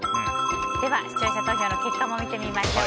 視聴者投票の結果も見てみましょう。